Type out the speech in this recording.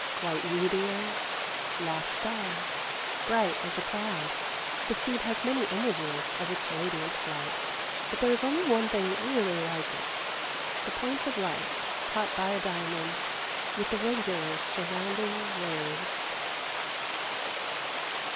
White meteor, lost star, bright as a cloud, the seed has many images of its radiant flight. But there is only one thing really like it the point of light caught by a diamond, with the regular surrounding rays.